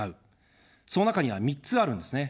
その中には３つあるんですね。